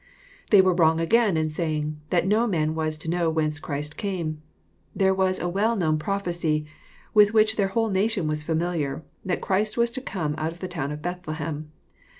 They were wrong again in saying " that no man was to know whence Christ came." There was a well known prophecy, with which their whole nation was familiar, that Christ was to come out of the town of Bethlehem.